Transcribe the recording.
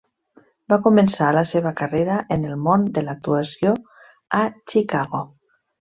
Va començar la seva carrera en el món de l'actuació a Chicago.